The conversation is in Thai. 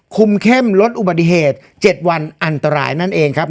คุมเข้มลดอุบัติเหตุ๗วันอันตรายนั่นเองครับ